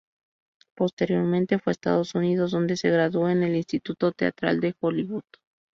Posteriormente fue a Estados Unidos, donde se graduó en el Instituto Teatral de Hollywood.